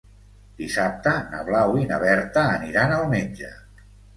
Dissabte na Blau i na Berta aniran al metge.